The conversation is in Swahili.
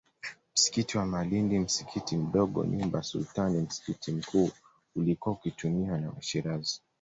Msikiti wa Malindi msikiti mdogo nyumba ya Sultani msikiti mkuu uliokuwa ukitumiwa na Washirazi